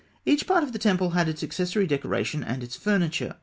Each part of the temple had its accessory decoration and its furniture.